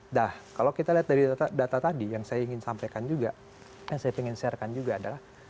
nah kalau kita lihat dari data tadi yang saya ingin sampaikan juga yang saya ingin sharekan juga adalah